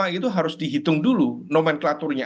itu harus dihitung dulu nomenklaturnya